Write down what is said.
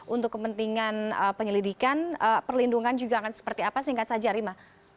untuk kepentingan penyelidikan perlindungan juga akan seperti apa singkat saja rima